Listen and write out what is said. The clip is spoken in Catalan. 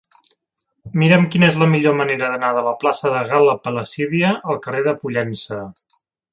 Mira'm quina és la millor manera d'anar de la plaça de Gal·la Placídia al carrer de Pollença.